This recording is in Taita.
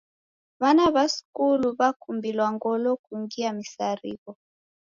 W'ana w'a skulu w'akumbilwa ngolo kungia misarigho.